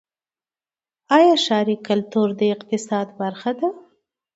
آیا ښاري کلتور د اقتصاد برخه ده؟